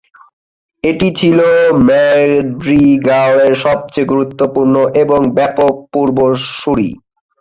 এটি ছিল ম্যাড্রিগালের সবচেয়ে গুরুত্বপূর্ণ এবং ব্যাপক পূর্বসূরী।